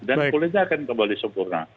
dan kulitnya akan kembali sempurna